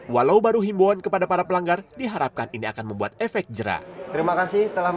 walau baru himbuan kepada para pelanggar diharapkan ini akan membuat efek jerah